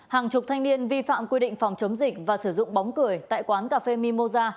hàng chục thanh niên vi phạm quy định phòng chống dịch và sử dụng bóng cười tại quán cà phê mimosa